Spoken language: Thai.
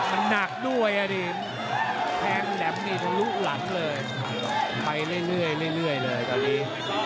มันนักด้วยอ่ะดิแพงแดมนี่ทั้งรุ่งหลังเลยไปเรื่อยเรื่อยเรื่อยเรื่อยเลยตอนนี้